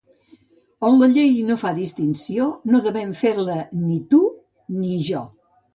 On la llei no fa distinció, no devem fer-la ni tu ni jo.